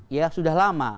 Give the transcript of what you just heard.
ya sudah lama